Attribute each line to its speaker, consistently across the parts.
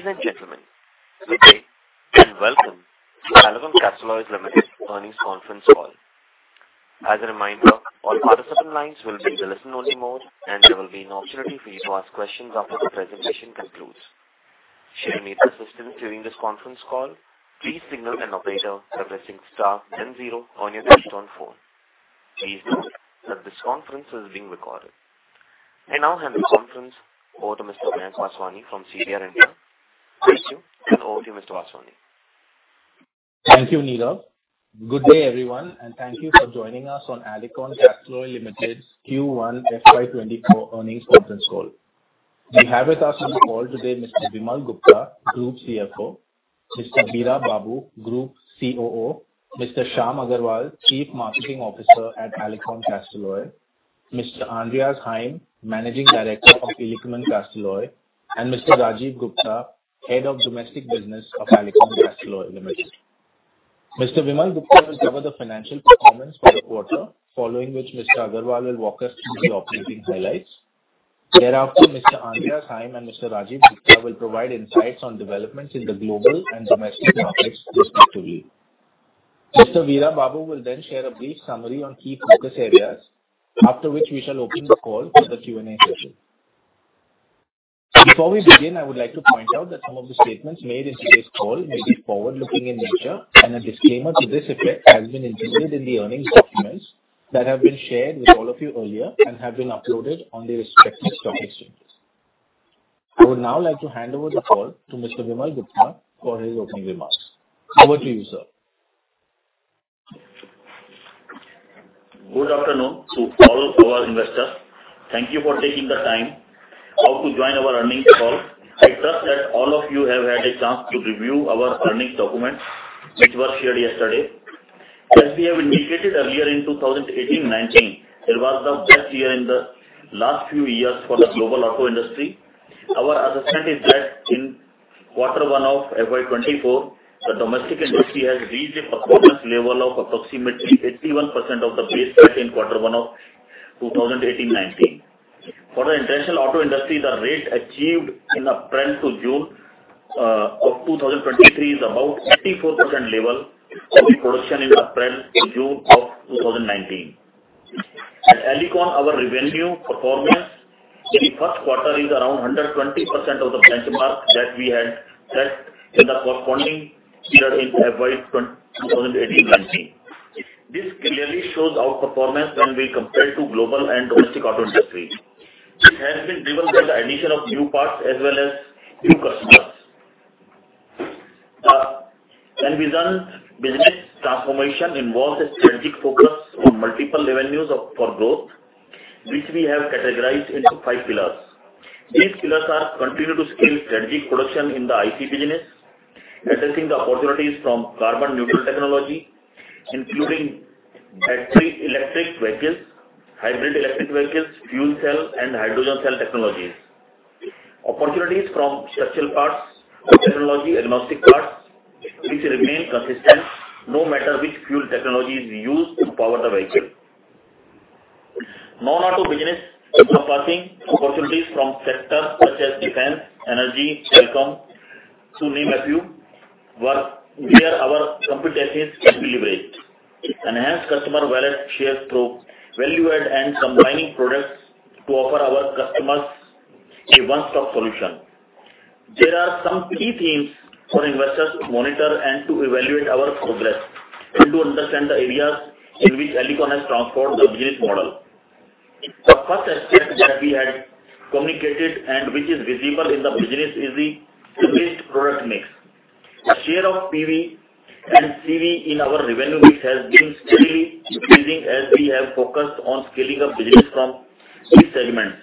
Speaker 1: Ladies and gentlemen, good day, and welcome to Alicon Castalloy Limited Earnings Conference Call. As a reminder, all participant lines will be in a listen-only mode, and there will be an opportunity for you to ask questions after the presentation concludes. Should you need assistance during this conference call, please signal an operator by pressing star then zero on your touchtone phone. Please note that this conference is being recorded. I now hand the conference over to Mr. Mayank Vaswani from CDR India. Thank you, and over to you, Mr. Vaswani.
Speaker 2: Thank you, Neeraj. Good day, everyone, and thank you for joining us on Alicon Castalloy Limited Q1 FY 2024 Earnings Conference Call. We have with us on the call today Mr. Vimal Gupta, Group CFO; Mr. Veera Babu, Group COO; Mr. Shyam Agarwal, Chief Marketing Officer at Alicon Castalloy; Mr. Andreas Heim, Managing Director of Alicon Castalloy; and Mr. Rajiv Gupta, Head of Domestic Business of Alicon Castalloy Limited. Mr. Vimal Gupta will cover the financial performance for the quarter, following which Mr. Agarwal will walk us through the operating highlights. Thereafter, Mr. Andreas Heim and Mr. Rajiv Gupta will provide insights on developments in the global and domestic markets, respectively. Mr. Veera Babu will then share a brief summary on key focus areas, after which we shall open the call for the Q&A session. Before we begin, I would like to point out that some of the statements made in today's call may be forward-looking in nature, and a disclaimer to this effect has been included in the earnings documents that have been shared with all of you earlier and have been uploaded on the respective stock exchanges. I would now like to hand over the call to Mr. Vimal Gupta for his opening remarks. Over to you, sir.
Speaker 3: Good afternoon to all our investors. Thank you for taking the time out to join our earnings call. I trust that all of you have had a chance to review our earnings documents, which were shared yesterday. As we have indicated earlier in 2018-2019, it was the best year in the last few years for the global auto industry. Our assessment is that in quarter one of FY 2024, the domestic industry has reached a performance level of approximately 81% of the baseline in quarter one of 2018- 2019. For the international auto industry, the rate achieved in April to June of 2023 is about 84% level of the production in April to June of 2019. At Alicon, our revenue performance in the first quarter is around 120% of the benchmark that we had set in the corresponding period in FY 2018-2019. This clearly shows our performance when we compare to global and domestic auto industry. It has been driven by the addition of new parts as well as new customers. When we done business transformation involves a strategic focus on multiple revenues for growth, which we have categorized into five pillars. These pillars are: continue to scale strategic production in the IC business, addressing the opportunities from carbon neutral technology, including battery electric vehicles, hybrid electric vehicles, fuel cell, and hydrogen cell technologies. Opportunities from structural parts, technology, agnostic parts, which remain consistent no matter which fuel technology is used to power the vehicle. Non-auto business, surpassing opportunities from sectors such as defense, energy, telecom, to name a few, where our competencies can be leveraged. Enhance customer wallet share through value-add and combining products to offer our customers a one-stop solution. There are some key themes for investors to monitor and to evaluate our progress, and to understand the areas in which Alicon has transformed the business model. The first step that we had communicated and which is visible in the business is the mixed product mix. The share of PV and CV in our revenue mix has been steadily decreasing as we have focused on scaling up business from these segments,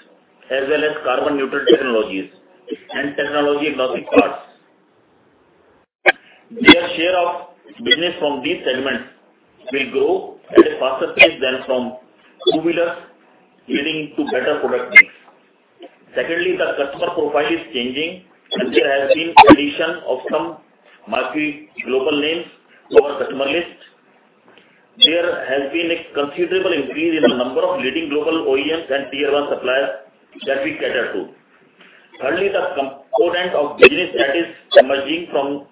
Speaker 3: as well as carbon neutral technologies and technology agnostic parts. Their share of business from these segments will grow at a faster pace than from two-wheelers, leading to better product mix. Secondly, the customer profile is changing, and there has been addition of some multi-global names to our customer list. There has been a considerable increase in the number of leading global OEMs and Tier One suppliers that we cater to. Thirdly, the component of business that is emerging from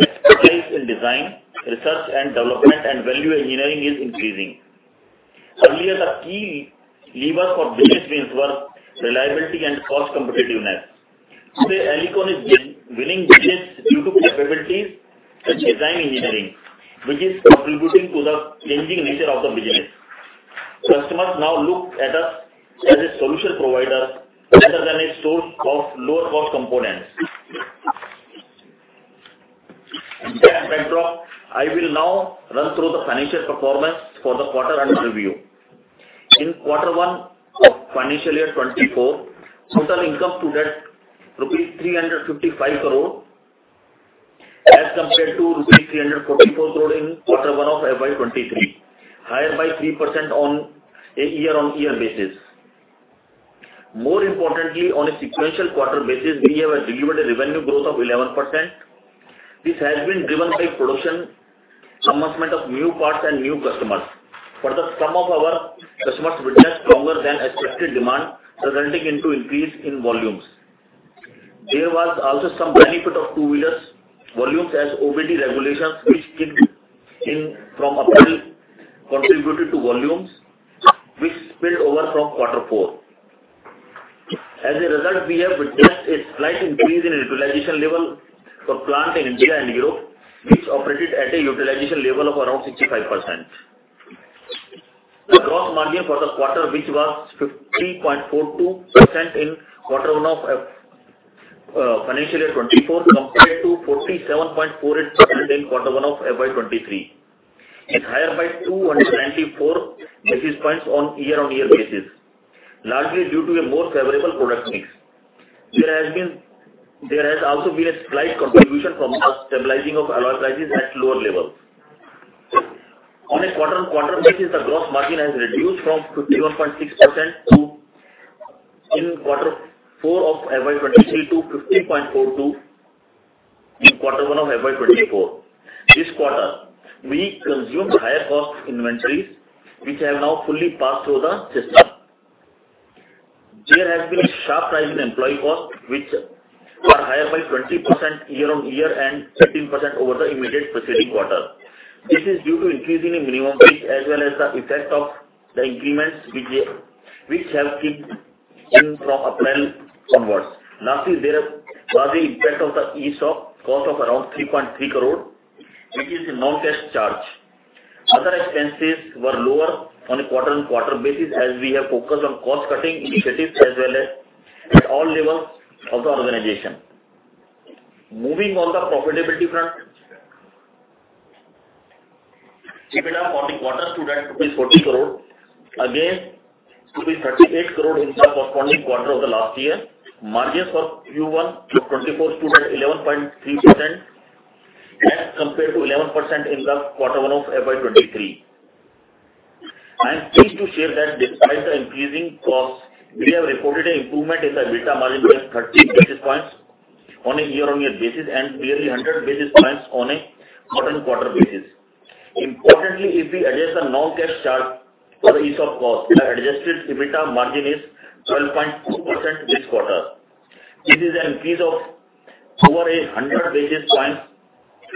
Speaker 3: expertise in design, research and development and value engineering is increasing. Earlier, the key levers for business wins were reliability and cost competitiveness. Today, Alicon is winning business due to capabilities and design engineering, which is contributing to the changing nature of the business. Customers now look at us as a solution provider rather than a source of lower-cost components. Against that backdrop, I will now run through the financial performance for the quarter under review. In quarter one of financial year 2024, total income stood at INR 355 crore, as compared to INR 344 crore in Q1 of FY 2023, higher by 3% on a year-on-year basis. More importantly, on a sequential quarter basis, we have delivered a revenue growth of 11%. This has been driven by production, commencement of new parts and new customers. Some of our customers witnessed longer than expected demand, resulting into increase in volumes. There was also some benefit of two-wheelers volumes as OBD regulations, which kicked in from April, contributed to volumes which spilled over from quarter four. As a result, we have witnessed a slight increase in utilization level for plant in India and Europe, which operated at a utilization level of around 65%. The gross margin for the quarter, which was 50.42% in quarter one of financial year 2024, compared to 47.48% in quarter one of FY 2023, is higher by 294 basis points on year-on-year basis, largely due to a more favorable product mix. There has also been a slight contribution from the stabilizing of alloy prices at lower levels. On a quarter-on-quarter basis, the gross margin has reduced from 51.6% in quarter four FY 2023 to 50.42% in quarter one FY 2024. This quarter, we consumed higher cost inventories, which have now fully passed through the system. There has been a sharp rise in employee costs, which are higher by 20% year-on-year and 13% over the immediate preceding quarter. This is due to increasing in minimum wage, as well as the effect of the increments which have kicked in from April onwards. Lastly, there was the impact of the ESOP cost of around 3.3 crore, which is a non-cash charge. Other expenses were lower on a quarter-on-quarter basis, as we have focused on cost cutting initiatives as well as at all levels of the organization. Moving on the profitability front, EBITDA for the quarter stood at rupees 40 crore, against rupees 38 crore in the corresponding quarter of the last year. Margins for Q1 2024 stood at 11.3%, as compared to 11% in the quarter one of FY 2023. I am pleased to share that despite the increasing costs, we have reported an improvement in the EBITDA margin by 13 basis points on a year-on-year basis and nearly 100 basis points on a quarter-on-quarter basis. Importantly, if we adjust the non-cash charge for the ESOP cost, the adjusted EBITDA margin is 12.2% this quarter. This is an increase of over 100 basis points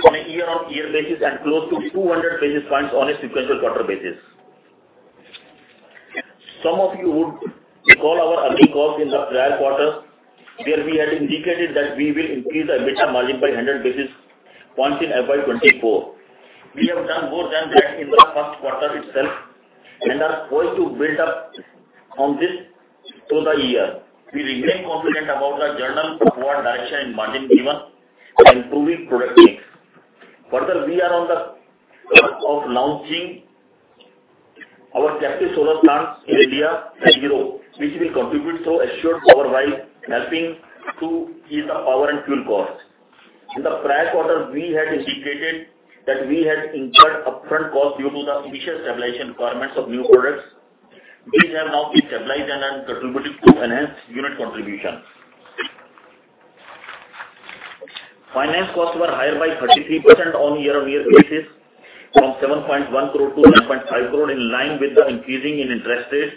Speaker 3: on a year-on-year basis and close to 200 basis points on a sequential quarter basis. Some of you would recall our earnings call in the prior quarter, where we had indicated that we will increase the EBITDA margin by 100 basis points in FY 2024. We have done more than that in the first quarter itself and are going to build up on this through the year. We remain confident about the general forward direction in margin given improving product mix. We are on the cusp of launching our captive solar plants in India and Europe, which will contribute to assured power while helping to ease the power and fuel costs. In the prior quarter, we had indicated that we had incurred upfront costs due to the initial stabilization requirements of new products, which have now been stabilized and are contributing to enhanced unit contributions. Finance costs were higher by 33% on year-on-year basis, from 7.1 crore to 9.5 crore, in line with the increasing in interest rates.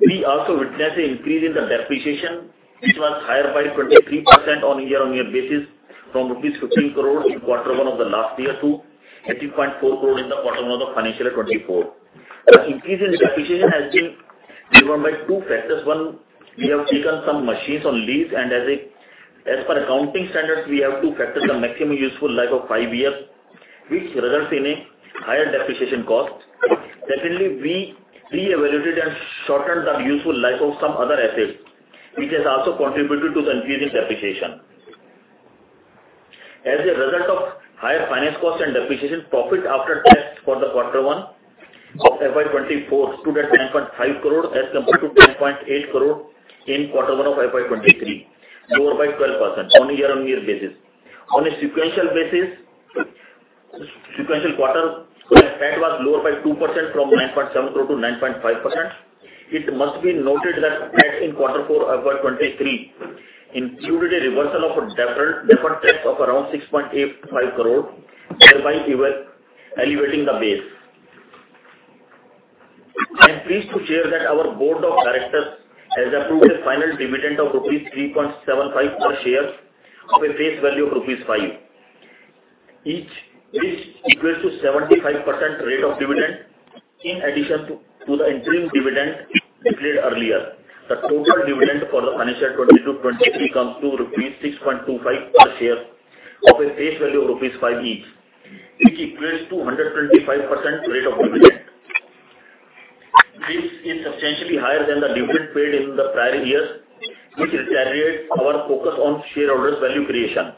Speaker 3: We also witnessed an increase in the depreciation, which was higher by 23% on year-on-year basis from rupees 15 crore in quarter one of the last year to 18.4 crore in the quarter one of the financial year 2024. The increase in depreciation has been driven by two factors. One, we have taken some machines on lease, and as per accounting standards, we have to factor the maximum useful life of five years, which results in a higher depreciation cost. Secondly, we reevaluated and shortened the useful life of some other assets, which has also contributed to the increase in depreciation. As a result of higher finance costs and depreciation, profit after tax for the quarter one of FY 2024 stood at 9.5 crore, as compared to 10.8 crore in quarter one of FY 2023, lower by 12% on a year-on-year basis. On a sequential basis, sequential quarter, PAT was lower by 2% from 9.7 crore to 9.5%. It must be noted that PAT in quarter four of FY 2023 included a reversal of a deferred tax of around 6.85 crore, thereby elevating the base. I'm pleased to share that our board of directors has approved a final dividend of rupees 3.75 per share of a face value of rupees 5 each, which equals to 75% rate of dividend. In addition to the interim dividend declared earlier, the total dividend for the financial 2022-2023 comes to rupees 6.25 per share of a face value of rupees 5 each, which equates to 125% rate of dividend. This is substantially higher than the dividend paid in the prior years, which reiterate our focus on shareholders value creation.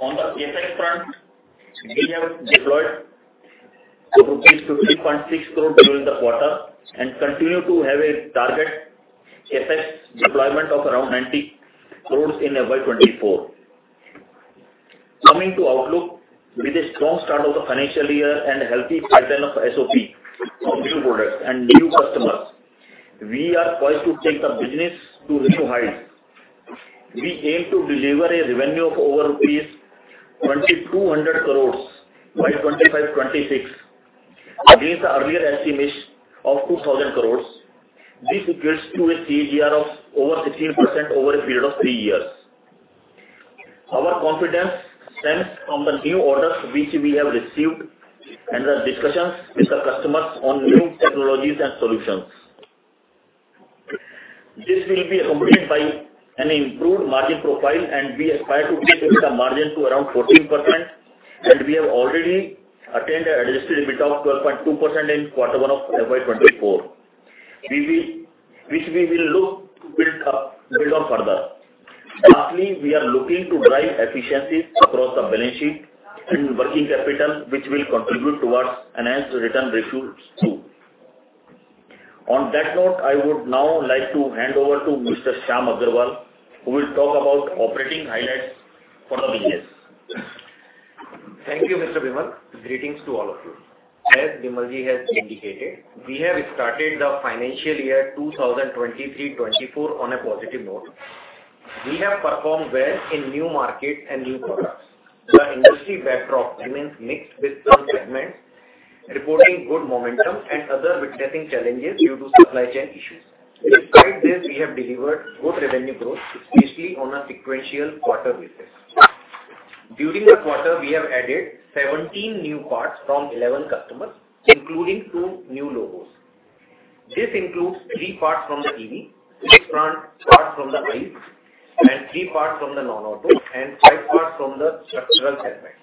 Speaker 3: On the CapEx front, we have deployed 50.6 crore rupees during the quarter and continue to have a target CapEx deployment of around 90 crores in FY 2024. Coming to outlook, with a strong start of the financial year and a healthy pipeline of SOP of new products and new customers, we are poised to take the business to new heights. We aim to deliver a revenue of over rupees 2,200 crores by 2025-2026, against the earlier estimates of 2,000 crores. This equates to a CAGR of over 16% over a period of three years. Our confidence stems from the new orders which we have received and the discussions with the customers on new technologies and solutions. This will be accompanied by an improved margin profile, and we aspire to take the margin to around 14%, and we have already attained a registered limit of 12.2% in quarter one of FY 2024. Which we will look to build up, build on further. Lastly, we are looking to drive efficiencies across the balance sheet and working capital, which will contribute towards enhanced return ratios, too. On that note, I would now like to hand over to Mr. Shyam Agarwal, who will talk about operating highlights for the business.
Speaker 4: Thank you, Mr. Vimal. Greetings to all of you. As Vimal has indicated, we have started the financial year 2023-2024 on a positive note. We have performed well in new markets and new products. The industry backdrop remains mixed, with some segments reporting good momentum and others witnessing challenges due to supply chain issues. Despite this, we have delivered good revenue growth, especially on a sequential quarter basis. During the quarter, we have added 17 new parts from 11 customers, including two new logos. This includes three parts from the EV, six front parts from the ICE, three parts from the non-auto, and five parts from the structural segment.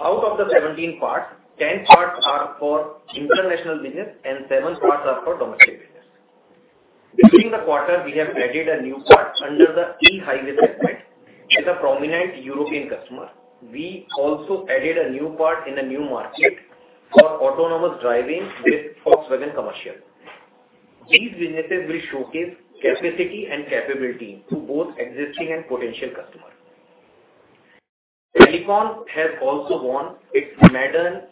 Speaker 4: Out of the 17 parts, 10 parts are for international business and seven parts are for domestic business. During the quarter, we have added a new part under the eHighway segment with a prominent European customer. We also added a new part in a new market for autonomous driving with Volkswagen Commercial. These businesses will showcase capacity and capability to both existing and potential customers. Alicon has also won its maiden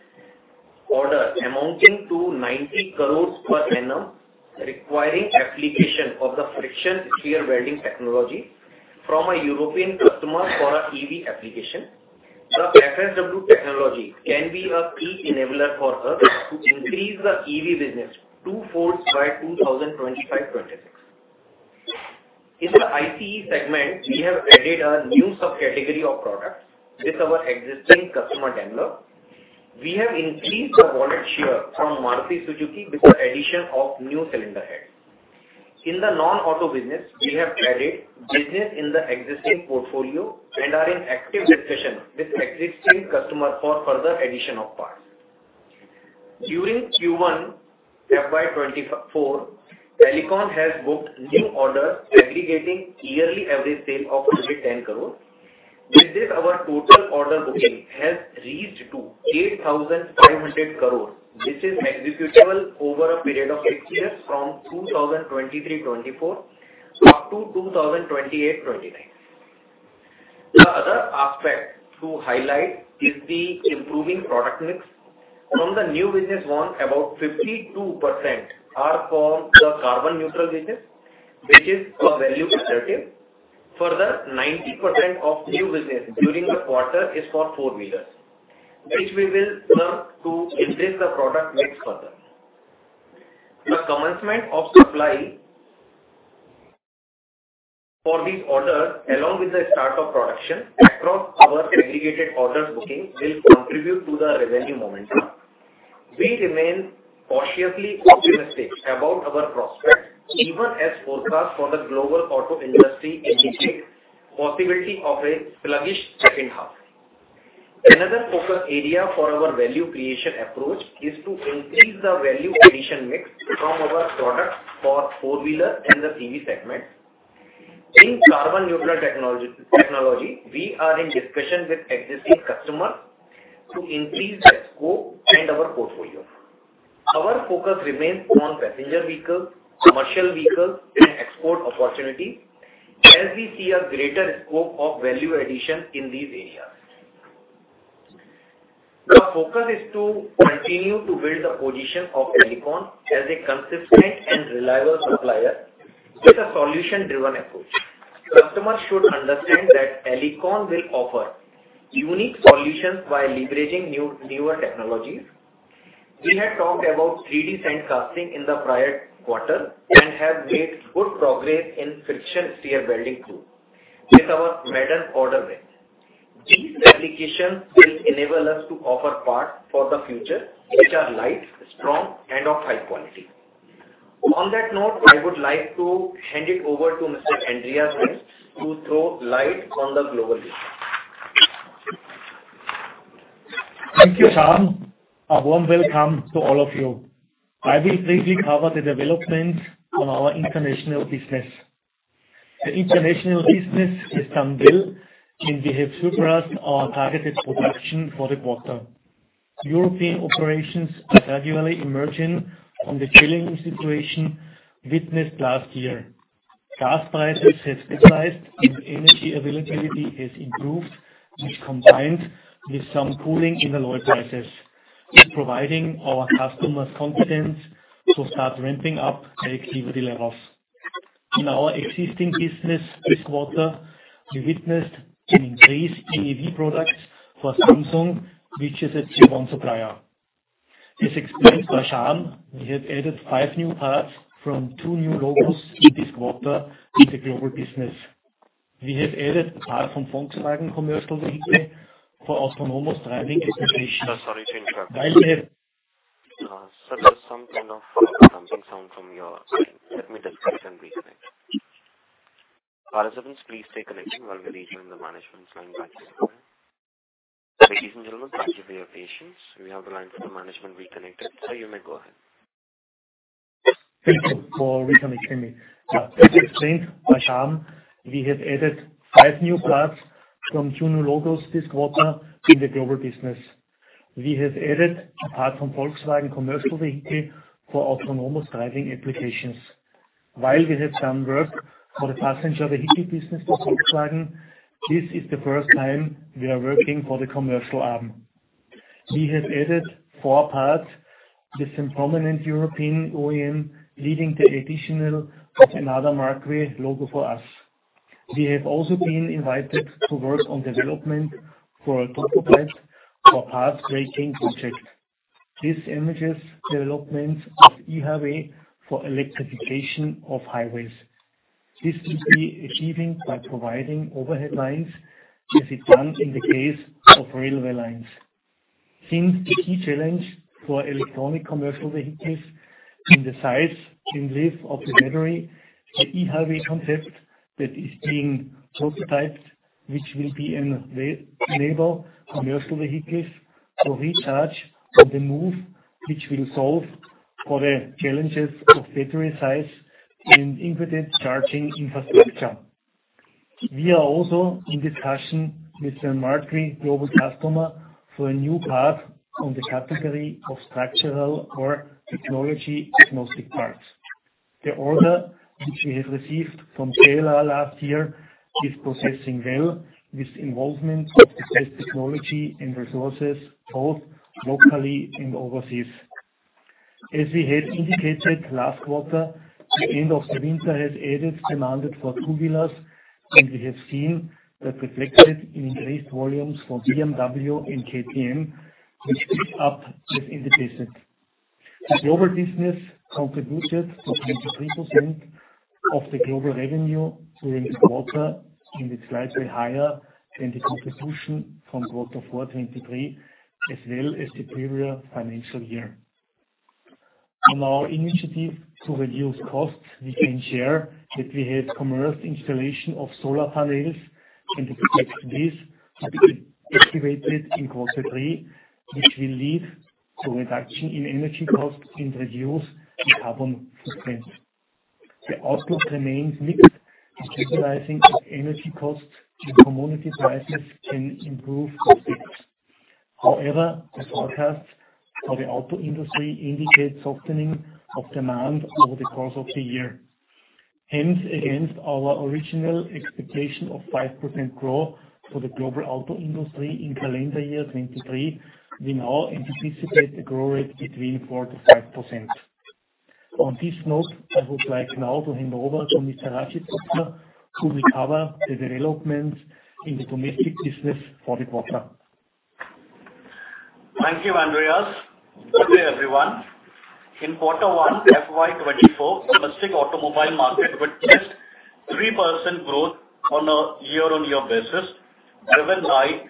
Speaker 4: order amounting to 90 crores per annum, requiring application of the friction stir welding technology from a European customer for a EV application. The FSW technology can be a key enabler for us to increase the EV business two folds by 2025-2026. In the ICE segment, we have added a new subcategory of products with our existing customer, Daimler. We have increased the wallet share from Maruti Suzuki with the addition of new cylinder heads. In the non-auto business, we have added business in the existing portfolio and are in active discussion with existing customers for further addition of parts. During Q1, FY 2024, Alicon has booked new orders aggregating yearly average sale of nearly 10 crores. With this, our total order booking has reached to 8,500 crores, which is executable over a period of six years from 2023-2024, up to 2028-2029. The other aspect to highlight is the improving product mix. From the new business won, about 52% are from the carbon neutral business, which is a value positive. Further, 90% of new business during the quarter is for four-wheelers, which we will look to enhance the product mix further. The commencement of supply for these orders, along with the start of production across our aggregated orders booking, will contribute to the revenue momentum. We remain cautiously optimistic about our prospects, even as forecasts for the global auto industry indicate possibility of a sluggish second half. Another focus area for our value creation approach is to increase the value addition mix from our products for four-wheeler and the EV segment. In carbon neutral technology, we are in discussion with existing customers to increase the scope and our portfolio. Our focus remains on passenger vehicles, commercial vehicles, and export opportunities, as we see a greater scope of value addition in these areas. The focus is to continue to build the position of Alicon as a consistent and reliable supplier with a solution-driven approach. Customers should understand that Alicon will offer unique solutions while leveraging newer technologies. We had talked about 3D sand casting in the prior quarter and have made good progress in friction stir welding, too, with our maiden order win. These applications will enable us to offer parts for the future, which are light, strong, and of high quality. On that note, I would like to hand it over to Mr. Andreas Heim to throw light on the global business.
Speaker 5: Thank you, Shyam. A warm welcome to all of you. I will briefly cover the developments on our international business. The international business has done well, and we have surpassed our targeted production for the quarter. European operations are gradually emerging from the challenging situation witnessed last year. Gas prices have stabilized and energy availability has improved, which combined with some cooling in the oil prices, is providing our customers confidence to start ramping up their activity levels. In our existing business this quarter, we witnessed an increase in EV products for Samsung, which is a Tier One supplier. As explained by Shyam, we have added five new parts from two new We have also been invited to work on development for a prototype for path-breaking project. This emerges development of eHighway for electrification of highways. This will be achieving by providing overhead lines, as it done in the case of railway lines. The key challenge for electronic commercial vehicles in the size and life of the battery, the eHighway concept that is being prototyped, which will enable commercial vehicles to recharge on the move, which will solve for the challenges of battery size and infinite charging infrastructure. We are also in discussion with a marquee global customer for a new part on the category of structural or technology agnostic parts. The order, which we have received from Taylor last year, is progressing well, with involvement of the best technology and resources, both locally and overseas. As we had indicated last quarter, the end of the winter has added demanded for two-wheelers, and we have seen that reflected in increased volumes for BMW and KTM, which picked up as indicated. The global business contributed to 23% of the global revenue during this quarter. It's slightly higher than the contribution from quarter four, 2023, as well as the previous financial year. On our initiative to reduce costs, we can share that we have commenced installation of solar panels. We expect this to be activated in quarter three, which will lead to reduction in energy costs and reduce the carbon footprint. The outlook remains mixed, the stabilizing of energy costs and commodity prices can improve prospects. The forecast for the auto industry indicates softening of demand over the course of the year. Against our original expectation of 5% growth for the global auto industry in calendar year 2023, we now anticipate a growth rate between 4%-5%. On this note, I would like now to hand over to Mr.Rajiv Gupta, who will cover the developments in the domestic business for the quarter.
Speaker 6: Thank you, Andreas. Good day, everyone. In quarter one, FY 2024, domestic automobile market with just 3% growth on a year-on-year basis, driven by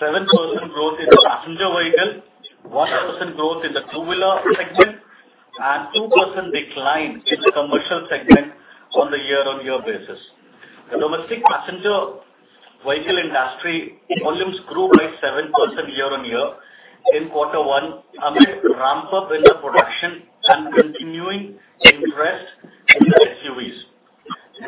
Speaker 6: 7% growth in the passenger vehicle, 1% growth in the two-wheeler segment, and 2% decline in the commercial segment on a year-on-year basis. The domestic passenger vehicle industry volumes grew by 7% year-on-year in quarter one, amid ramp up in the production and continuing interest in the SUVs.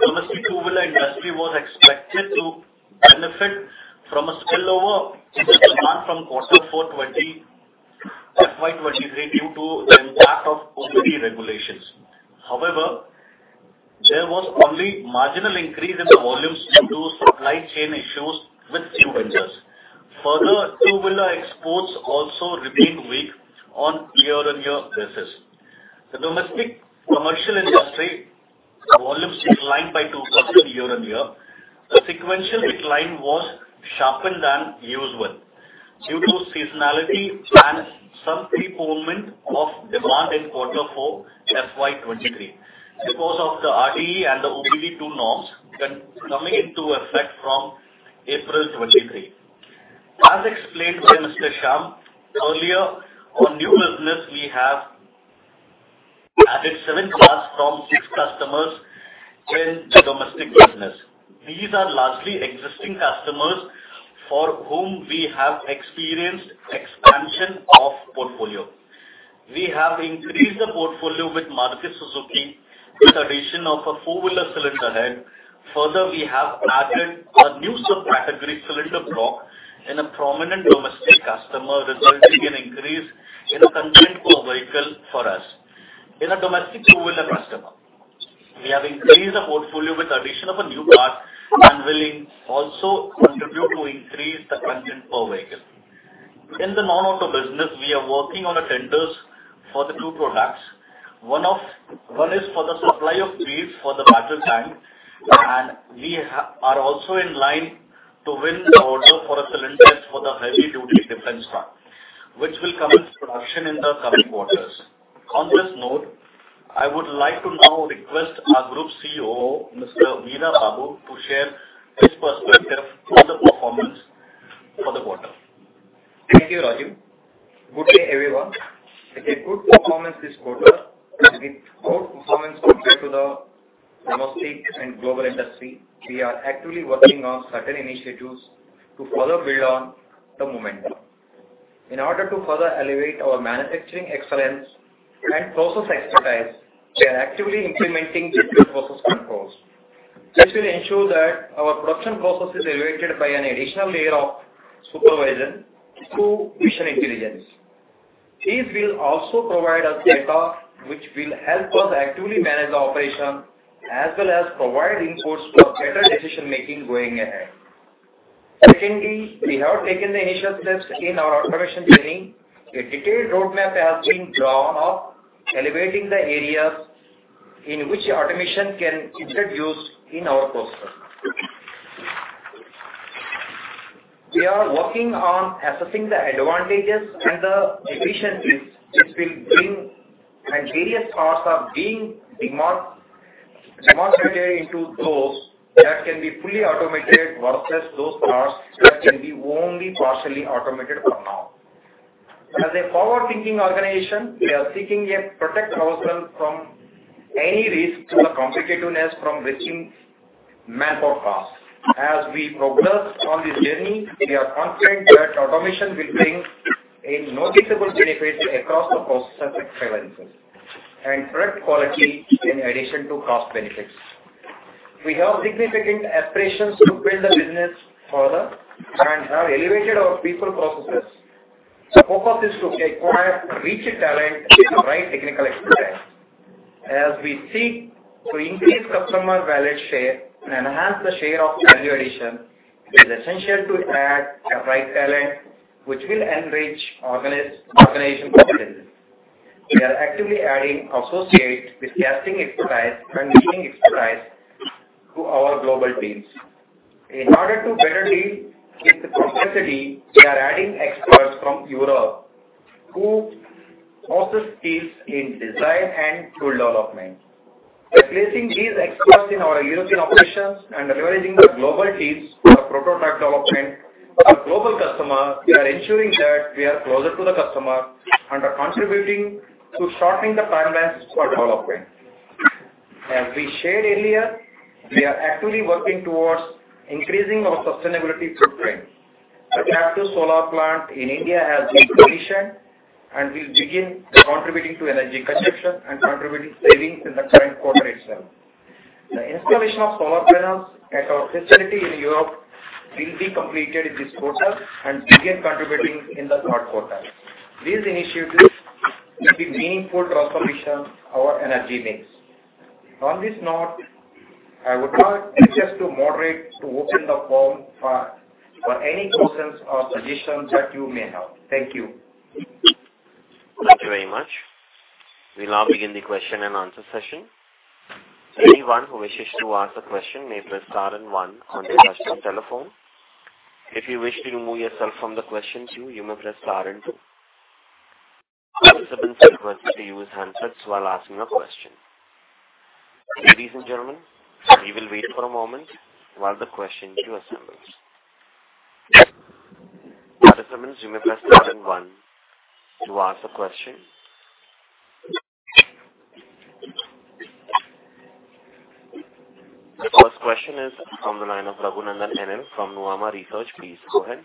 Speaker 6: Domestic two-wheeler industry was expected to benefit from a spillover in the demand from quarter four, FY 2023, due to the impact of OBD regulations. However, there was only marginal increase in the volumes due to supply chain issues with dealerships. Two-wheeler exports also remained weak on year-on-year basis. The domestic commercial industry volumes declined by 2% year-on-year. The sequential decline was sharper than usual due to seasonality and some postponement of demand in quarter four, FY 2023, because of the RDE and the OBD2 norms that coming into effect from April 2023. As explained by Mr. Shyam earlier, on new business, we have added seven parts from six customers in the domestic business. These are largely existing customers for whom we have experienced expansion of portfolio. We have increased the portfolio with Maruti Suzuki with addition of a four-wheeler cylinder head. Further, we have added a new subcategory, cylinder block, in a prominent domestic customer, resulting in increase in the content per vehicle for us. In a domestic two-wheeler customer, we have increased the portfolio with addition of a new part and will also contribute to increase the content per vehicle. In the non-auto business, we are working on the tenders for the two products. One is for the supply of wheels for the battle tank, and we are also in line to win the order for a cylinder for the heavy-duty defense truck, which will come into production in the coming quarters. On this note, I would like to now request our Group COO, Mr. Veera Babu, to share his perspective on the performance for the quarter.
Speaker 7: Thank you, Rajiv. Good day, everyone. It's a good performance this quarter, a good performance compared to the domestic and global industry. We are actively working on certain initiatives to further build on the momentum. In order to further elevate our manufacturing excellence and process expertise, we are actively implementing digital process controls. This will ensure that our production process is elevated by an additional layer of supervision through mission intelligence. This will also provide us data which will help us actively manage the operation, as well as provide inputs for better decision-making going ahead. Secondly, we have taken the initial steps in our automation journey. A detailed roadmap has been drawn of elevating the areas in which automation can be introduced in our process. We are working on assessing the advantages and the efficiencies which will bring, and various parts are being demonstrated into those that can be fully automated versus those parts that can be only partially automated for now. As a forward-thinking organization, we are seeking yet protect ourselves from any risk to the competitiveness from rising manpower costs. As we progress on this journey, we are confident that automation will bring a noticeable benefit across the process excellence and product quality in addition to cost benefits. We have significant aspirations to build the business further and have elevated our people processes. The focus is to acquire rich talent with the right technical experience. As we seek to increase customer value share and enhance the share of value addition, it is essential to add the right talent, which will enrich organization potential. We are actively adding associates with casting expertise and leading expertise to our global teams. In order to better deal with the complexity, we are adding experts from Europe, who possess skills in design and tool development. By placing these experts in our European operations and leveraging the global teams for prototype development for our global customer, we are ensuring that we are closer to the customer and are contributing to shortening the timelines for development. As we shared earlier, we are actively working towards increasing our sustainability footprint. Our captive solar plant in India has been commissioned and will begin contributing to energy consumption and contributing savings in the current quarter itself. The installation of solar panels at our facility in Europe will be completed in this quarter and begin contributing in the third quarter. These initiatives will be meaningful transformation our energy mix. On this note, I would like just to moderate to open the forum for any questions or suggestions that you may have. Thank you.
Speaker 1: Thank you very much. We now begin the question and answer session. Anyone who wishes to ask a question may press star and one on their customer telephone. If you wish to remove yourself from the question queue, you may press star and two. Participants are requested to use handsets while asking a question. Ladies and gentlemen, we will wait for a moment while the question queue assembles. Participants, you may press star and one to ask a question. The first question is from the line of Raghunandhan NL from Nuvama Research. Please go ahead.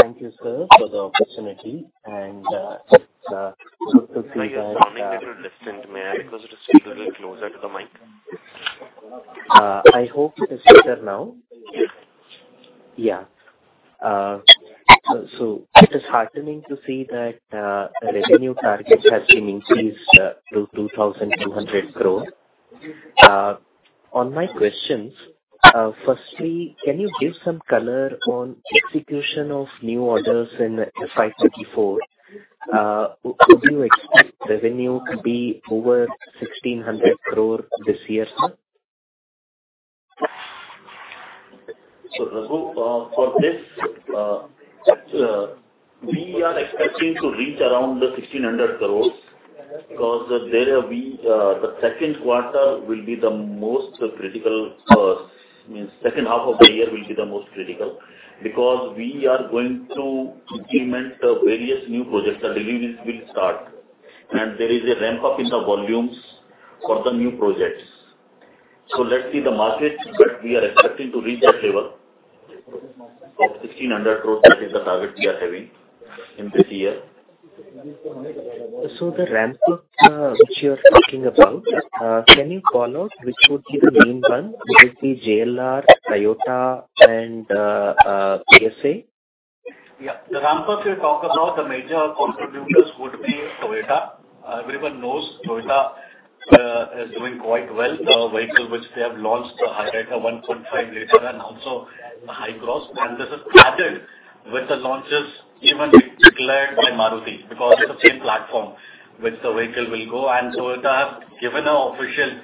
Speaker 8: Thank you, sir, for the opportunity and, good to see you guys.
Speaker 1: Your sound is little distant, may I request you to speak a little closer to the mic?
Speaker 8: I hope it is better now. It is heartening to see that the revenue target has been increased to 2,200 crore. On my questions, firstly, can you give some color on execution of new orders in FY 2024? Would you expect revenue to be over 1,600 crore this year, sir?
Speaker 6: Raghu, for this, we are expecting to reach around the 1,600 crores, because there we, the second quarter will be the most critical, means second half of the year will be the most critical, because we are going to implement the various new projects. The delivery will start, and there is a ramp-up in the volumes for the new projects. Let's see the market, but we are expecting to reach that level of 1,600 crores. That is the target we are having in this year.
Speaker 8: The ramp, which you are talking about, can you call out which would be the main one? Would it be JLR, Toyota, and PSA Group?
Speaker 6: Yeah. The ramp up we talk about, the major contributors would be Toyota. Everyone knows Toyota is doing quite well. The vehicles which they have launched, the Hyryder 1.5 L, and also Hycross, and this is added with the launches even declared by Maruti, because it's the same platform which the vehicle will go. Toyota has given an official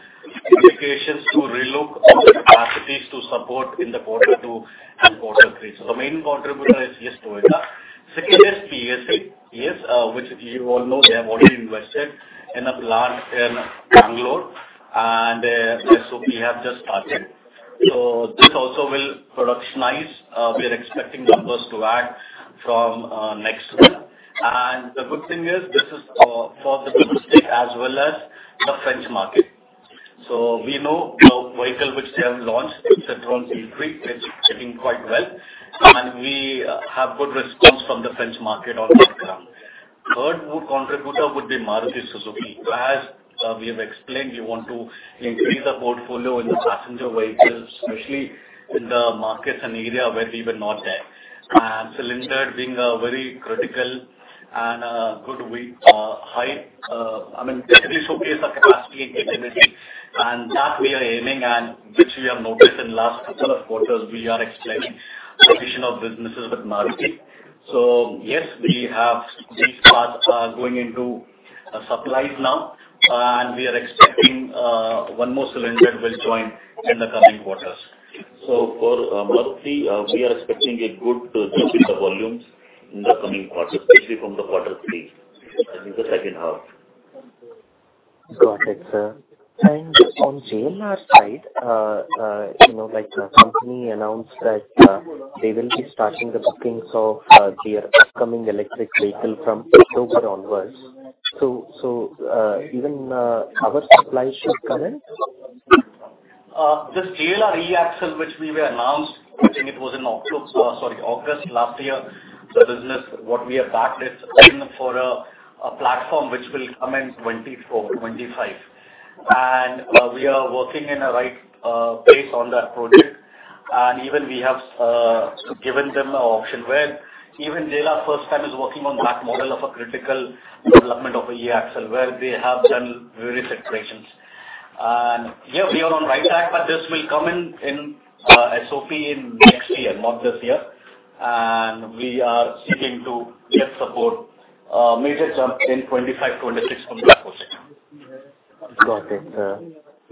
Speaker 6: indications to relook on the capacities to support in the quarter two and quarter three. The main contributor is, yes, Toyota. Second is PSA, yes, which you all know, they have already invested in a plant in Bangalore, and SOP have just started. This also will productionize. We are expecting numbers to add from next month. The good thing is, this is for the domestic as well as the French market. We know the vehicle which they have launched, Citroën C3, is checking quite well, and we have good response from the French market on that car. Third more contributor would be Maruti Suzuki. As we have explained, we want to increase the portfolio in the passenger vehicles, especially in the markets and area where we were not there. Cylinder being a very critical and good week, high. I mean, this showcase our capacity and capability, and that we are aiming and which we have noticed in last quarters, we are expecting additional businesses with Maruti. Yes, we have these parts going into supplies now, and we are expecting one more Cylinder will join in the coming quarters. For, month three, we are expecting a good jump in the volumes in the coming quarters, especially from the quarter three, in the second half.
Speaker 8: Got it, sir. On JLR side, you know, like, the company announced that they will be starting the bookings of their upcoming electric vehicle from October onwards. Even our supply should come in?
Speaker 6: This JLR eAxle, which we were announced, I think it was in October, sorry, August last year. The business, what we have backed it in for a platform which will come in 2024, 2025. We are working in a right pace on that project, and even we have given them an option where even JLR first time is working on that model of a critical development of a eAxle, where they have done various iterations. Here we are on right track, but this will come in SOP in next year, not this year. We are seeking to get support, major jump in 2025-2026 from that project.
Speaker 8: Got it, sir.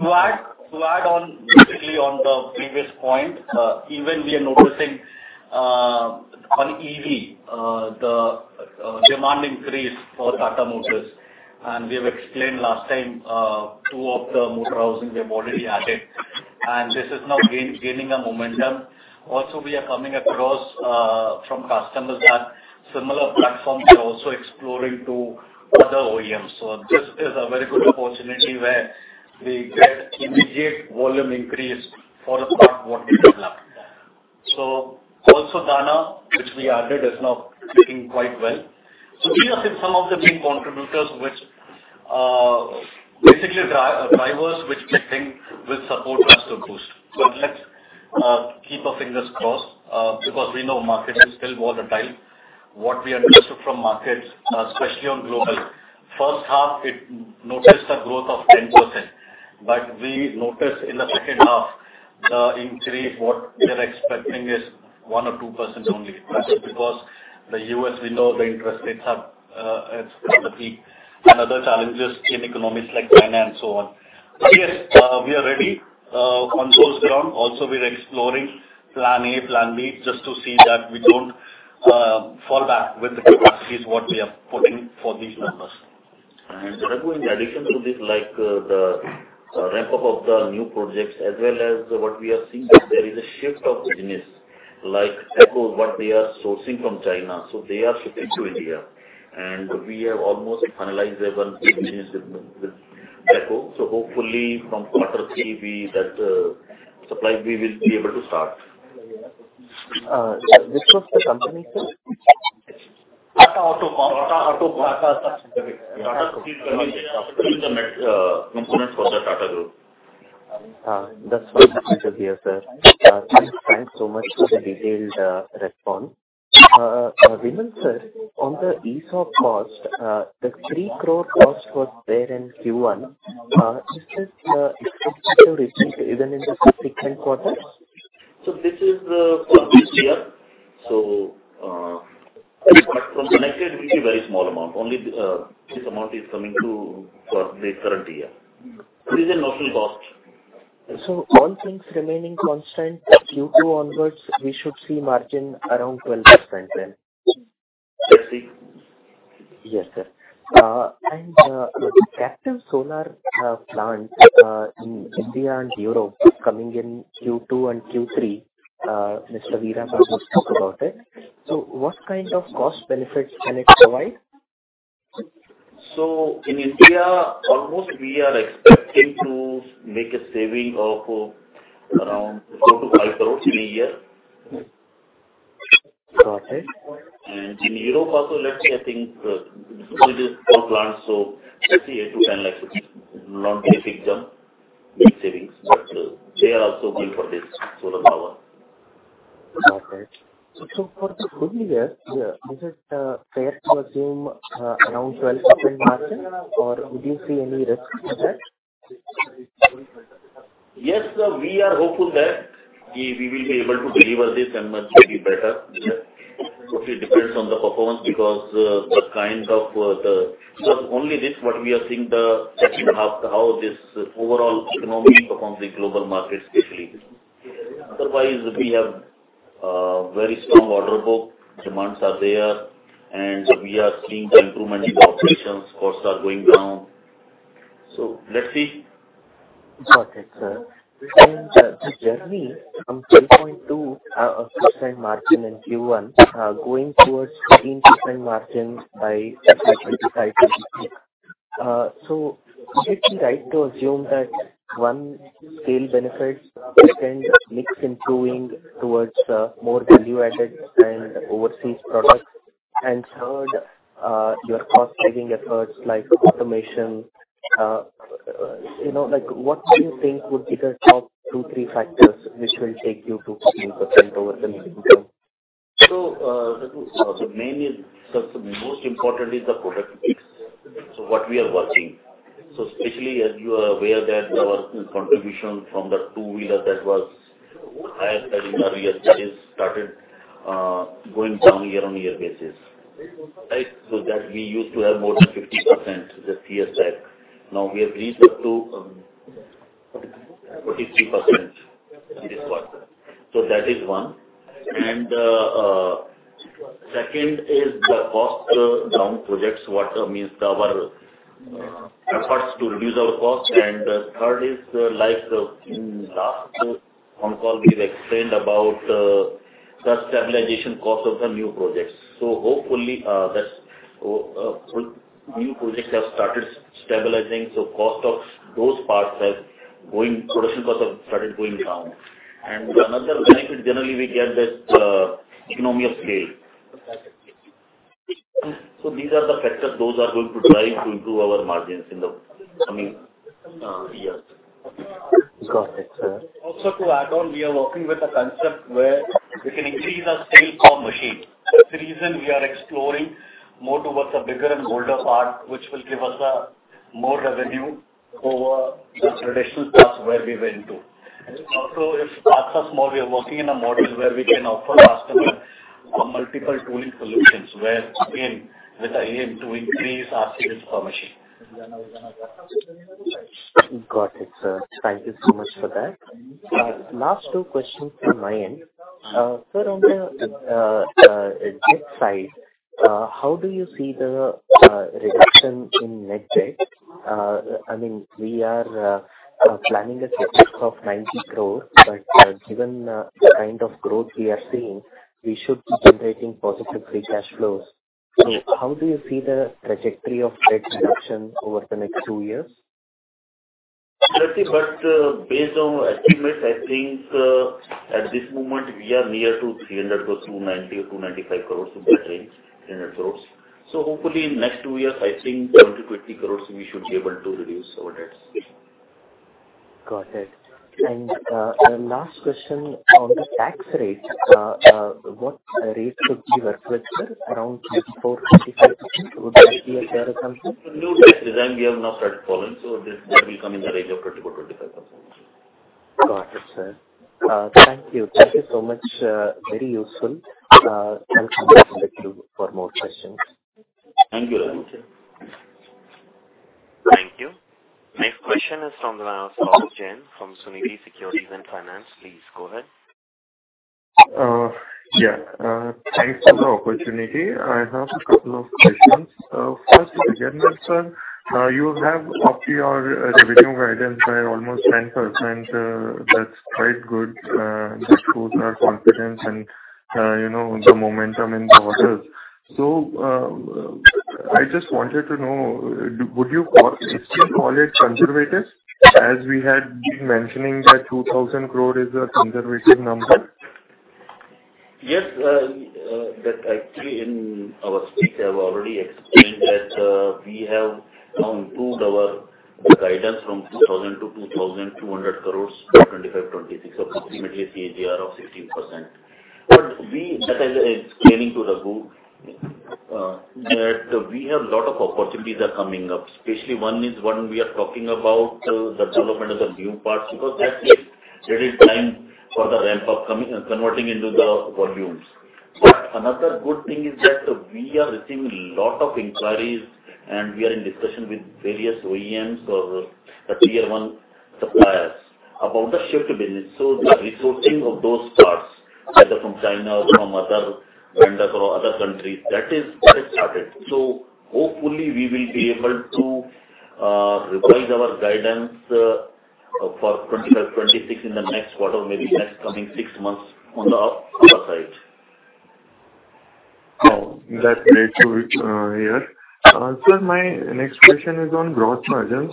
Speaker 6: To add, to add on, basically on the previous point, even we are noticing on EV, the demand increase for Tata Motors. And we have explained last time, two of the motor housing we have already added, and this is now gaining a momentum. Also, we are coming across from customers that similar platforms are also exploring to other OEMs. This is a very good opportunity where we get immediate volume increase for a start what we developed. Also DANA, which we added, is now doing quite well. These are some of the main contributors which, basically drivers, which we think will support us to boost. Let's keep our fingers crossed, because we know market is still volatile. What we understood from markets, especially on global, first half, it noticed a growth of 10%. We noticed in the second half, the increase, what we are expecting is 1% or 2% only. That's because the U.S., we know the interest rates have, it's at the peak, and other challenges in economies like China and so on. Yes, we are ready on those term. Also, we are exploring Plan A, Plan B, just to see that we don't fall back with the capacities, what we are putting for these members. In addition to this, like, the ramp up of the new projects, as well as what we are seeing, that there is a shift of business, like Eicher, what they are sourcing from China. They are shifting to India, and we have almost finalized their one big business with Eicher. Hopefully from quarter three, we, that, supply, we will be able to start.
Speaker 8: Which was the company, sir?
Speaker 6: Tata AutoComp. Component for the Tata Group.
Speaker 8: That's fine. Thank you, sir. Thanks so much for the detailed response. Vimal, sir, on the ESOP cost, the 3 crore cost was there in Q1. Is this expected to remain even in the subsequent quarters?
Speaker 3: This is for this year. From the next year, it will be very small amount. Only, this amount is coming to, for the current year. This is a normal cost.
Speaker 8: all things remaining constant, Q2 onwards, we should see margin around 12%, then?
Speaker 3: Let's see.
Speaker 8: Yes, sir. The captive solar plant in India and Europe coming in Q2 and Q3, Mr. Veera Babu spoke about it. What kind of cost benefits can it provide?
Speaker 3: In India, almost we are expecting to make a saving of around 4-5 crores in a year.
Speaker 8: Got it.
Speaker 3: In Europe also, let's say, I think, four plants, let's say 8-10 lakhs, not a big jump, big savings, they are also bill for this solar power.
Speaker 8: Got it. For the full year, yeah, is it fair to assume around 12% margin, or would you see any risk for that?
Speaker 3: Yes, sir, we are hopeful that we will be able to deliver this and much maybe better. Yeah. It depends on the performance, because the kinds of so only this, what we are seeing the second half, how this overall economy performs in global markets, especially. Otherwise, we have very strong order book, demands are there, and we are seeing improvement in operations, costs are going down. Let's see.
Speaker 8: Got it, sir. The journey from 3.2% of gross margin in Q1 going towards 15% margin by 2025. Is it right to assume that, one, scale benefits, second, mix improving towards more value-added and overseas products, and third, your cost-saving efforts like automation, you know, like, what do you think would be the top two, three factors which will take you to 15% over the medium term?
Speaker 3: The main is, the most important is the product mix. What we are watching. Especially as you are aware that our contribution from the two-wheeler that was higher than earlier studies started going down year-on-year basis. Right? That we used to have more than 50% the year back. Now we have reached up to 43% this quarter. That is one. Second is the cost down projects, what means our efforts to reduce our cost. The third is, like, in last on-call, we've explained about the stabilization cost of the new projects. Hopefully, that's new projects have started stabilizing, so Production cost have started going down. Another benefit, generally, we get that economy of scale.
Speaker 8: Got it.
Speaker 3: These are the factors those are going to drive to improve our margins in the coming years.
Speaker 8: Got it, sir.
Speaker 6: To add on, we are working with a concept where we can increase our sales per machine. The reason we are exploring more towards the bigger and bolder part, which will give us more revenue over the traditional parts where we went to. If parts are small, we are working in a model where we can offer customer a multiple tooling solutions, where again, with the aim to increase our sales per machine.
Speaker 8: Got it, sir. Thank you so much for that. Last two questions from my end. Sir, on the debt side, how do you see the reduction in net debt? I mean, we are planning a CapEx of 90 crores, but given the kind of growth we are seeing, we should be generating positive free cash flows. How do you see the trajectory of debt reduction over the next two years?
Speaker 3: Let's see. Based on estimates, I think, at this moment, we are near to 300-290, or 295 crore, in that range, 300 crore. Hopefully, in next two years, I think 10-20 crore, we should be able to reduce our debts.
Speaker 8: Got it. Last question on the tax rate, what rate should we work with, sir? Around 44%-45%, would that be a fair assumption?
Speaker 3: New rate design, we have now started following, so this will be coming in the range of 24%-25%.
Speaker 8: Got it, sir. Thank you. Thank you so much. Very useful. I'll come back to you for more questions.
Speaker 3: Thank you.
Speaker 1: Thank you. Next question is from Saurabh Jain, from Sunidhi Securities & Finance. Please go ahead.
Speaker 9: Thanks for the opportunity. I have a couple of questions. First, to begin with, sir, you have upped your revenue guidance by almost 10%. That's quite good. This proves our confidence and, you know, the momentum in the orders. I just wanted to know, would you still call it conservative, as we had been mentioning that 2,000 crores is a conservative number?
Speaker 3: Yes, uh that actually in our speech, I've already explained that we have now improved our guidance from 2,000 crore-2,200 crore, to 2025-2026, so approximately a CAGR of 16%. we, as I was explaining to Raghu, that we have a lot of opportunities are coming up, especially one we are talking about the development of the new parts, because that needs little time for the ramp-up coming and converting into the volumes. another good thing is that we are receiving lot of inquiries, and we are in discussion with various OEMs or the Tier One suppliers about the shift business. the resourcing of those parts, either from China or from other vendors or other countries, that is, got it started. hopefully we will be able to revise our guidance for 2025-2026 in the next quarter, maybe next coming six months on the other side.
Speaker 9: That's great to hear. Sir, my next question is on gross margins.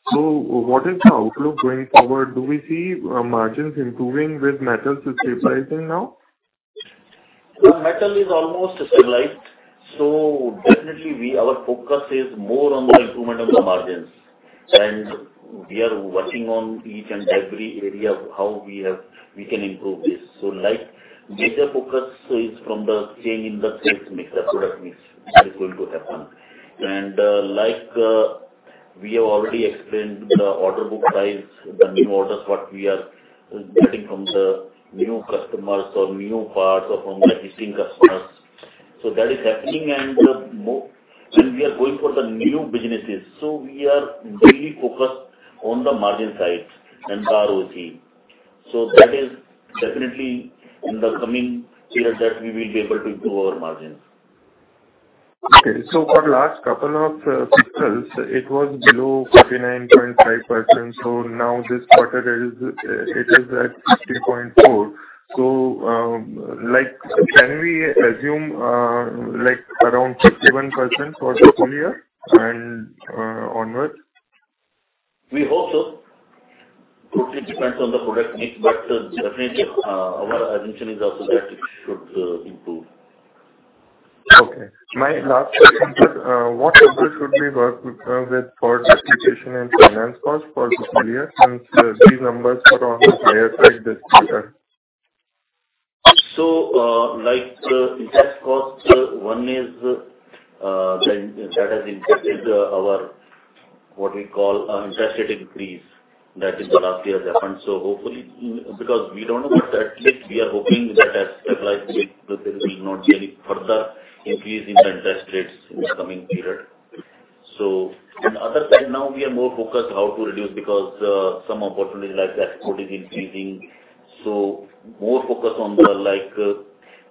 Speaker 9: On sequential basis, our margins have built. What is the outlook going forward? Do we see margins improving with metals stabilizing now?
Speaker 3: The metal is almost stabilized. Definitely our focus is more on the improvement of the margins. We are working on each and every area of how we can improve this. Like major focus is from the change in the sales mix. The product mix is going to happen. We have already explained the order book size, the new orders, what we are getting from the new customers or new parts or from the existing customers. That is happening and more, and we are going for the new businesses. We are really focused on the margin side and ROC. That is definitely in the coming year that we will be able to improve our margins.
Speaker 9: Okay. For last couple of quarters, it was below 49.5%. Now this quarter it is at 50.4%. Like, can we assume like around 51% for this full year and onward?
Speaker 3: We hope so. Totally depends on the product mix, but definitely, our assumption is also that it should improve.
Speaker 9: Okay. My last question, sir. What number should we work with for depreciation and finance costs for this year, since these numbers are on the higher side this year?
Speaker 3: Like interest cost, one is, then that has impacted our, what we call, interest rate increase. That is the last year's happened. Hopefully, because we don't know, but at least we are hoping that as stabilized, there will not be any further increase in the interest rates in the coming period. On the other side, now we are more focused how to reduce, because some opportunities like the export is increasing. More focus on the like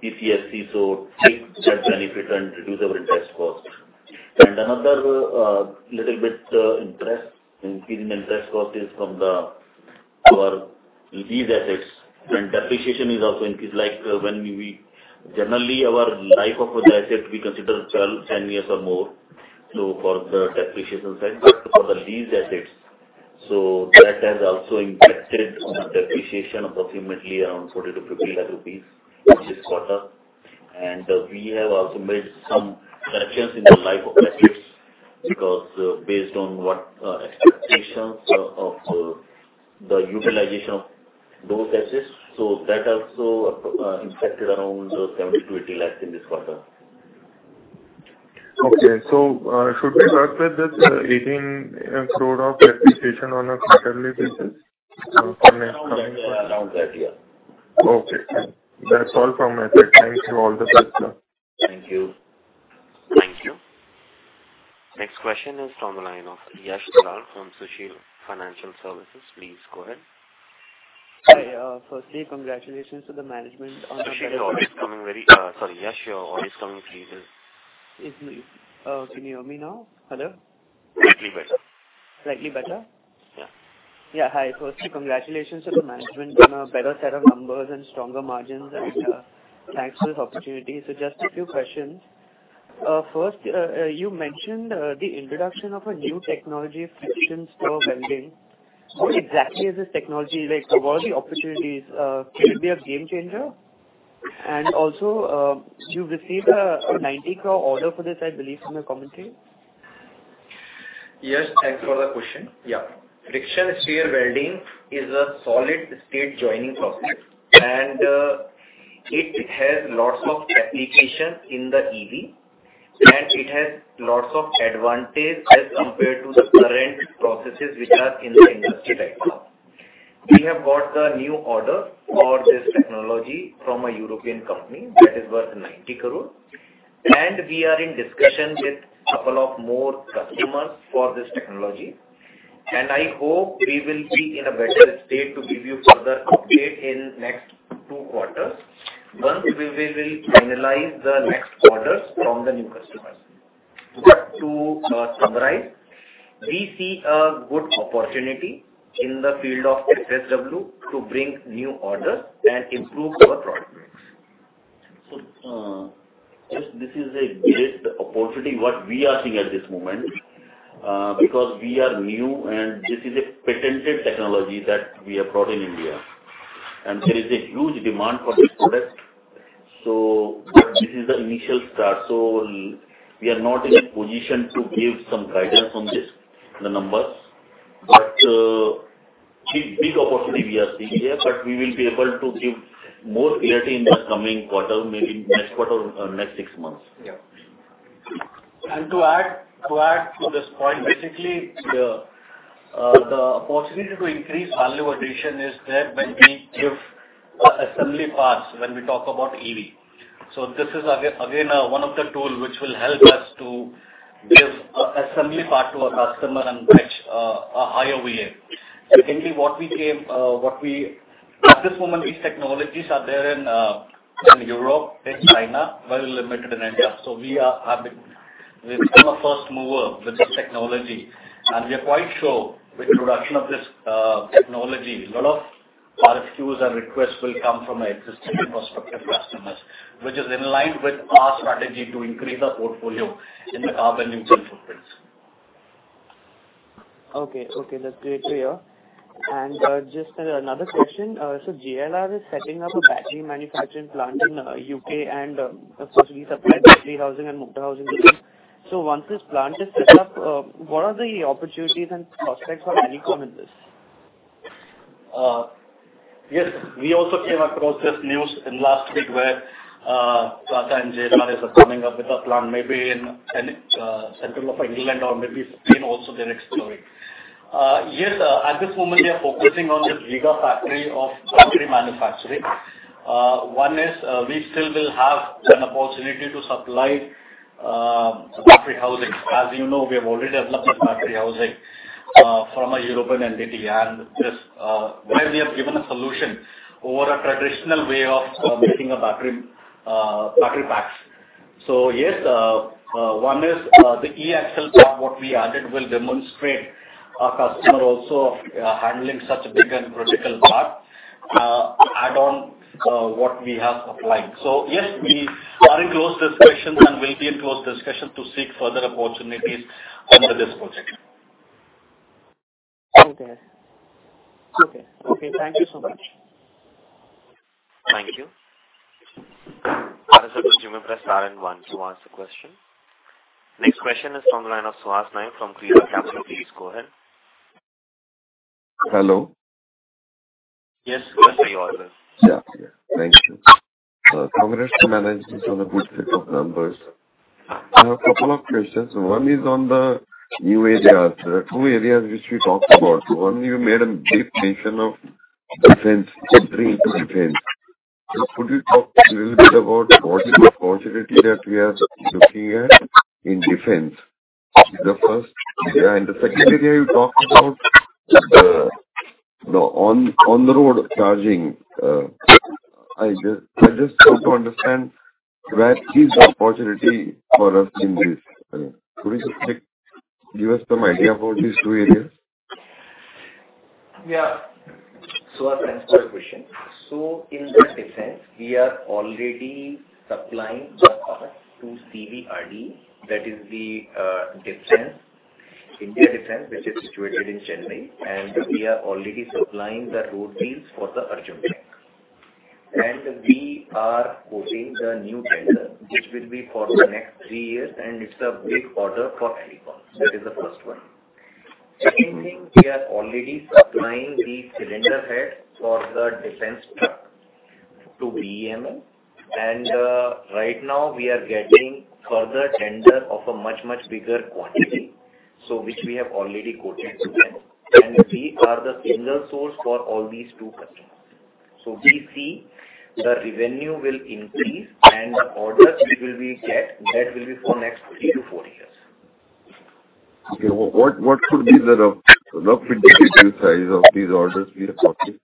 Speaker 3: PPSC, so take that benefit and reduce our interest cost. Another little bit, interest, increase in interest cost is from the, our lease assets. Depreciation is also increased, like, when we generally, our life of an asset, we consider 12, 10 years or more, so for the depreciation side, but for the lease assets. That has also impacted on our depreciation of approximately around 40 lakh-50 lakh rupees this quarter. We have also made some corrections in the life of assets, because based on what expectations of the utilization of those assets, that also impacted around 70 lakh-80 lakh in this quarter.
Speaker 9: Should we work with this, 18 crore of depreciation on a quarterly basis for next quarter?
Speaker 3: Around that, yeah.
Speaker 9: That's all from my side. Thanks for all the help, sir.
Speaker 3: Thank you.
Speaker 1: Thank you. Next question is from the line of Yash Dalal from Sushil Financial Services. Please go ahead.
Speaker 10: Hi, firstly, congratulations to the management.
Speaker 1: Sushil, your audio is coming very. Sorry, Yash, your audio is coming very little.
Speaker 10: Yes. Can you hear me now? Hello.
Speaker 1: Slightly better.
Speaker 10: Slightly better?
Speaker 1: Yeah.
Speaker 10: Yeah. Hi, firstly, congratulations to the management on a better set of numbers and stronger margins, and thanks for this opportunity. Just a few questions. First, you mentioned the introduction of a new technology, friction stir welding. What exactly is this technology? Like, what are the opportunities? Could it be a game changer? Also, you've received an 90 crore order for this, I believe, from your commentary.
Speaker 4: Yes, thanks for the question. Friction stir welding is a solid-state joining process. It has lots of applications in the EV, and it has lots of advantage as compared to the current processes which are in the industry right now. We have got the new order for this technology from a European company that is worth 90 crore. We are in discussion with couple of more customers for this technology. I hope we will be in a better state to give you further update in next two quarters, once we will finalize the next orders from the new customers. To summarize, we see a good opportunity in the field of FSW to bring new orders and improve our product mix.
Speaker 3: This is a great opportunity, what we are seeing at this moment, because we are new and this is a patented technology that we have brought in India, and there is a huge demand for this product. This is the initial start. We are not in a position to give some guidance on this, the numbers. Big opportunity we are seeing here. We will be able to give more clarity in the coming quarter, maybe next quarter or next six months.
Speaker 4: Yeah. To add to this point, basically, the opportunity to increase value addition is there when we give assembly parts, when we talk about EV. This is again one of the tool which will help us to give a assembly part to a customer and fetch a higher revenue. Basically, what we gave, what we
Speaker 6: At this moment, these technologies are there in Europe and China, very limited in India. We've become a first mover with this technology, and we are quite sure with the production of this technology, a lot of RFQs and requests will come from the existing prospective customers, which is in line with our strategy to increase our portfolio in the carbon neutral footprints.
Speaker 10: Okay, that's clear. Just another question. JLR is setting up a battery manufacturing plant in UK, and supposedly supply the battery housing and motor housing. Once this plant is set up, what are the opportunities and prospects for Alicon in this?
Speaker 6: Yes, we also came across this news in last week, where Tata and JLR are coming up with a plan maybe in central of England or maybe Spain also they're exploring. Yes, at this moment, we are focusing on the bigger factory of battery manufacturing. One is, we still will have an opportunity to supply battery housing. As you know, we have already developed this battery housing from a European entity, and this where we have given a solution over a traditional way of making a battery packs. Yes, one is, the eAxle part, what we added will demonstrate our customer also handling such a big and critical part, add on, what we have applied. Yes, we are in close discussions and will be in close discussions to seek further opportunities under this project.
Speaker 10: Okay. Okay. Okay, thank you so much
Speaker 1: Thank you. Other member press star and one to ask the question. Next question is from the line of Suhas Nair, from CRL Capital. Please go ahead.
Speaker 11: Hello.
Speaker 6: Yes, go ahead, Suhas.
Speaker 12: Yeah, thank you. Congratulations to management on the good set of numbers. I have a couple of questions. One is on the new areas. There are two areas which you talked about. One, you made a big mention of defense, entering defense. Could you talk a little bit about what is the opportunity that we are looking at in defense? This is the first area. The second area you talked about, you know, on the road charging, I just want to understand where is the opportunity for us in this area? Could you just give us some idea about these two areas?
Speaker 4: Yeah. Suhas, thanks for your question. In this defense, we are already supplying the parts to CVRDE, that is the India Defense, which is situated in Chennai, and we are already supplying the road wheels for the Arjun tank. We are quoting the new tender, which will be for the next three years, and it's a big order for Alicon. That is the first one. Secondly, we are already supplying the cylinder head for the defense truck to BEML, and right now we are getting further tender of a much, much bigger quantity, so which we have already quoted to them. We are the single source for all these two customers. We see the revenue will increase, and the orders we will be get, that will be for next three-four years.
Speaker 12: Okay. What could be the rough indicative size of these orders be approximately?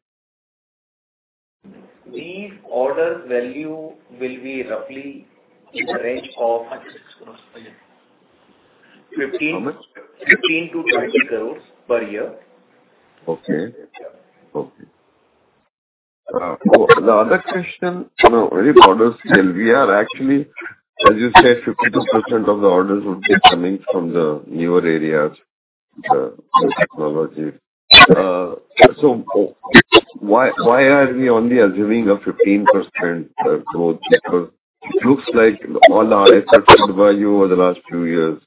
Speaker 4: These orders value will be roughly in the range of 15-
Speaker 11: How much?
Speaker 4: 15-20 crores per year.
Speaker 11: Okay. Okay. The other question, you know, very broadly, we are actually, as you said, 52% of the orders would be coming from the newer areas, the technology. Why, why are we only assuming a 15% growth? It looks like all our efforts by you over the last few years,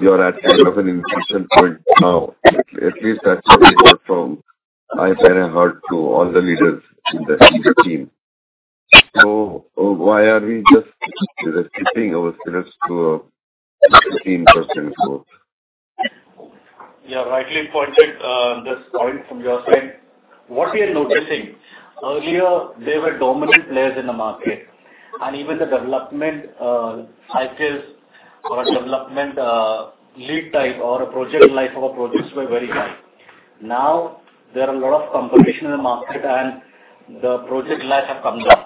Speaker 11: you are at kind of an inflection point now. At least that's what we heard from. I kind of heard through all the leaders in the senior team. Why are we just keeping ourselves to a 15% growth?
Speaker 6: You have rightly pointed this point from your side. What we are noticing, earlier, there were dominant players in the market, even the development cycles or development lead time or project life of our products were very high. Now, there are a lot of competition in the market, and the project life have come down.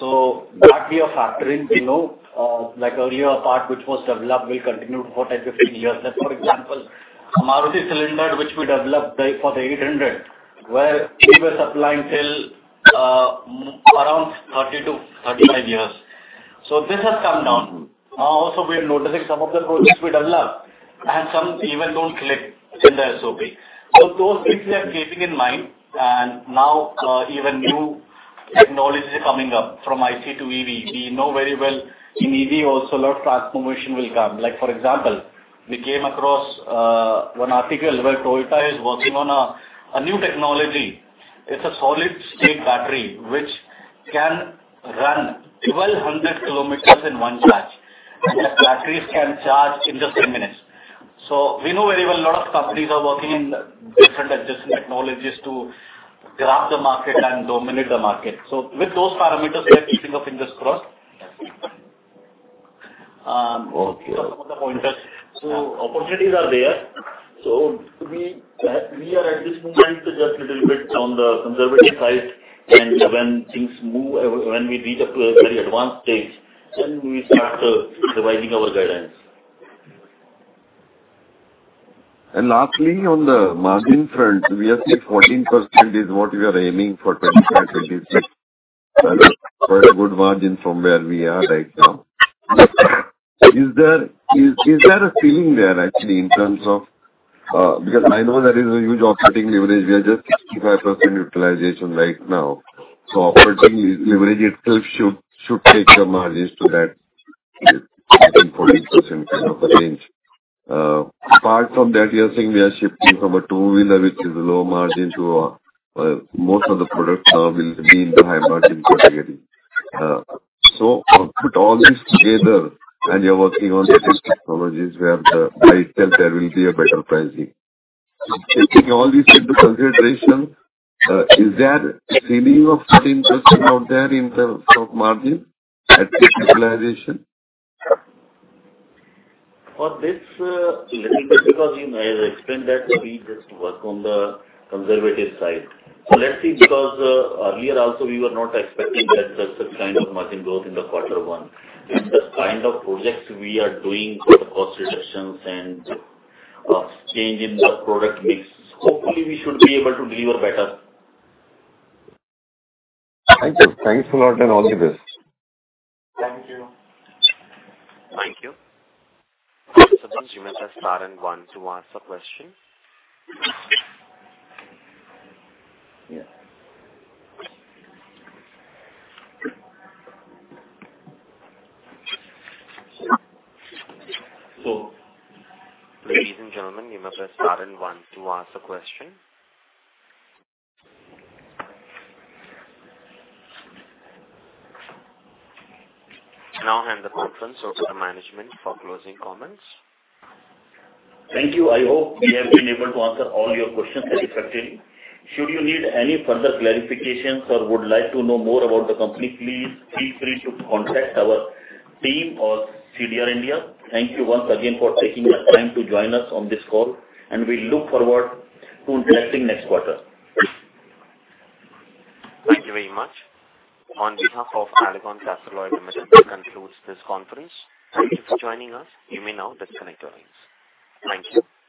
Speaker 6: That we are factoring below, like earlier part, which was developed, will continue for 10-15 years. Like, for example, Maruti Cylinder, which we developed for the 800, where we were supplying till around 30-35 years. This has come down. Also we are noticing some of the projects we developed and some even don't click in the SOP. Those things we are keeping in mind, and now, even new technologies are coming up from IC to EV. We know very well in EV also, a lot of transformation will come. Like, for example, we came across one article where Toyota is working on a new technology. It's a solid-state battery, which can run 1,200 km in one stretch, and the batteries can charge in just 10 minutes. We know very well a lot of companies are working in different adjacent technologies to grab the market and dominate the market. With those parameters, we are keeping our fingers crossed.
Speaker 3: Point that opportunities are there. We are at this moment just a little bit on the conservative side, when things move, when we reach a very advanced stage, then we start revising our guidelines.
Speaker 11: Lastly, on the margin front, we have said 14% is what we are aiming for 2025, which is quite a good margin from where we are right now. Is there a feeling there actually in terms of, because I know there is a huge operating leverage? We are just 65% utilization right now, so operating leverage itself should take the margins to that 10%-14% kind of a range. Apart from that, you're saying we are shifting from a two-wheeler, which is a low margin, to, most of the products now will be in the high margin category. Put all this together, and you're working on technologies where the by itself there will be a better pricing. Taking all these into consideration, is there a feeling of 14% out there in terms of margin at this utilization?
Speaker 3: For this, let me because you may have explained that we just work on the conservative side. Let's see, because earlier also we were not expecting that the kind of margin growth in the quarter one. With the kind of projects we are doing for the cost reductions and change in the product mix, hopefully we should be able to deliver better.
Speaker 11: Thank you. Thanks a lot, and all the best.
Speaker 1: Thank you. Thank you. You may press star and one to ask a question. Ladies and gentlemen, you may press star and one to ask a question. I now hand the conference over to management for closing comments.
Speaker 3: Thank you. I hope we have been able to answer all your questions effectively. Should you need any further clarifications or would like to know more about the company, please feel free to contact our team or CDR India. Thank you once again for taking the time to join us on this call, and we look forward to interacting next quarter.
Speaker 1: Thank you very much. On behalf of Alicon Castalloy Limited, this concludes this conference. Thank you for joining us. You may now disconnect your lines. Thank you.